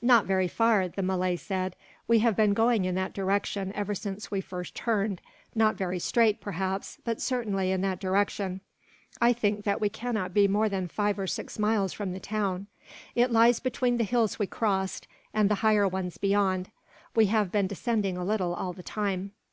"Not very far," the Malay said. "We have been going in that direction, ever since we first turned not very straight, perhaps, but certainly in that direction. I think that we cannot be more than five or six miles from the town. It lies between the hills we crossed, and the higher ones beyond. We have been descending a little, all the time."